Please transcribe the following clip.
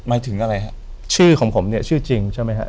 ถึงอะไรฮะชื่อของผมเนี่ยชื่อจริงใช่ไหมฮะ